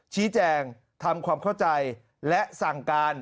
ชี้แจงทำความเข้าใจและสั่งการ